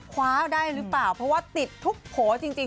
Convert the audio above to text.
คว้าได้หรือเปล่าเพราะว่าติดทุกโผล่จริง